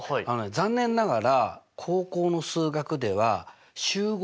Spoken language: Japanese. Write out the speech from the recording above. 残念ながら高校の数学ではええ！？